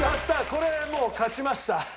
これもう勝ちました。